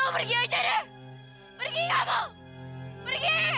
lo pergi aja deh pergi kamu pergi